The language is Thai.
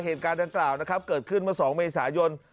เหตุการณ์ดังกล่าวนะครับเกิดขึ้นเมื่อ๒เมษายน